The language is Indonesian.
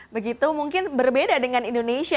begitu mungkin berbeda dengan indonesia